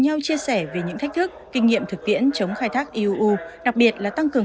nhau chia sẻ về những thách thức kinh nghiệm thực tiễn chống khai thác iuu đặc biệt là tăng cường